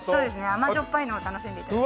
甘じょっぱいのを楽しんでいただきたい。